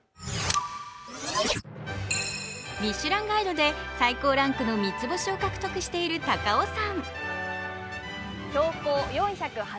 ミシュランガイドで最高ランクの３つ星を獲得している高尾山。